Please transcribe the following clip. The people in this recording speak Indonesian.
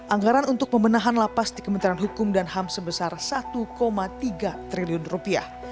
anggaran untuk pembenahan lapas di kementerian hukum dan ham sebesar satu tiga triliun rupiah